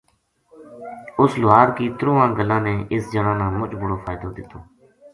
اُس لوہار کی ترواں گلاں نے اِس جنا نا مچ بڑو فائدو دیتو